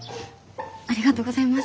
ありがとうございます。